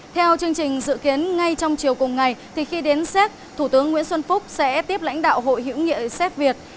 theo chương trình dự kiến ngay trong chiều cùng ngày thì khi đến séc thủ tướng nguyễn xuân phúc sẽ tiếp lãnh đạo hội hiểu nghĩa séc việt